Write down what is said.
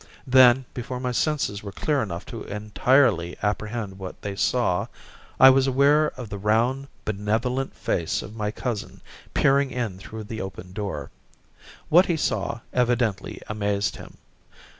Then, before my senses were clear enough to entirely apprehend what they saw, I was aware of the round, benevolent face of my cousin peering in through the open door. What he saw evidently amazed him.